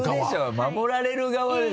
守られる側でしょ。